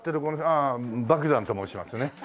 ああ莫山と申しますね。